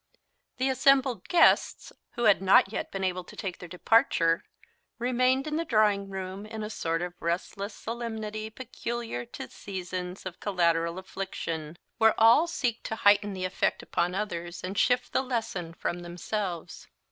The assembled guests, who had not yet been able to take their departure, remained in the drawing room in a sort of restless solemnity peculiar to seasons of collateral affliction, where all seek to highten the effect upon others, and shift the lesson from themselves.